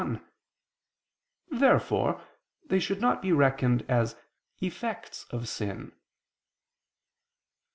Therefore they should not be reckoned as effects of sin.